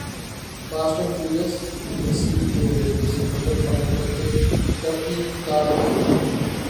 fast and Furious کی رسی کے ذریعے سمندر پار کرتیں کاریں